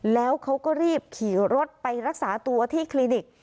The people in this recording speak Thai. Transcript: แล้วเขาก็รีบขี่รถไปรักษาตัวที่คลินิก